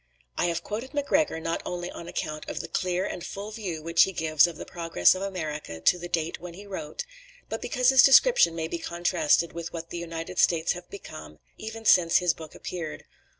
I have quoted Macgregor, not only on account of the clear and full view which he gives of the progress of America to the date when he wrote, but because his description may be contrasted with what the United States have become even since his book appeared.